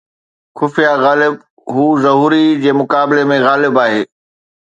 خفيه غالب هون ظهوري جي مقابلي ۾ غالب آهي